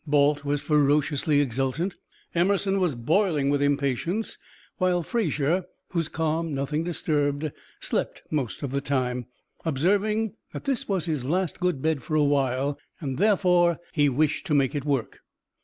Balt was ferociously exultant, Emerson was boiling with impatience, while Fraser, whose calm nothing disturbed, slept most of the time, observing that this was his last good bed for a while, and therefore he wished to make it work.